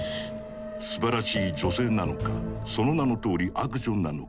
「すばらしい女性」なのか「その名のとおり悪女」なのか。